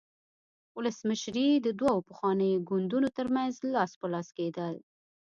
ولسمشري د دوو پخوانیو ګوندونو ترمنځ لاس په لاس کېدل.